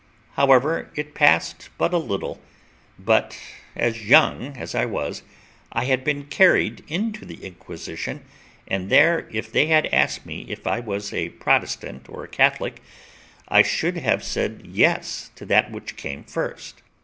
However, it passed but a little, but, as young as I was, I had been carried into the Inquisition, and there, if they had asked me if I was a Protestant or a Catholic, I should have said yes to that which came first.